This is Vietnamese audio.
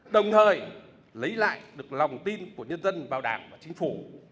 đồng thời lấy lại được lòng tin của nhân dân vào đảng và chính phủ